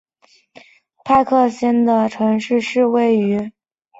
默弗里斯伯勒是一个位于美国阿肯色州派克县的城市。